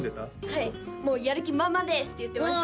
はいもうやる気満々です！って言ってました